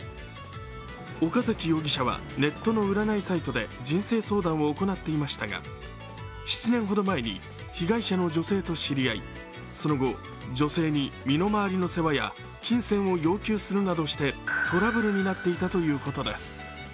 岡嵜容疑者はネットの占いサイトで人生相談を行っていましたが７年ほど前に被害者の女性と知り合いその後、女性に身の回りの世話や金銭を要求するなどしてトラブルになっていたということです。